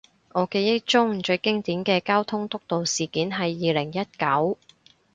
我記憶中最經典嘅交通督導事件係二零一九